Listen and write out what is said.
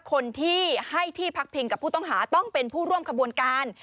คนที่ให้ที่พักพิงกับผู้ต้องหาต้องเป็นผู้ร่วมขบวนการ